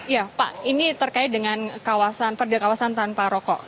ya pak ini terkait dengan kawasan perda kawasan tanpa rokok